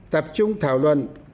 tập trung thảo luận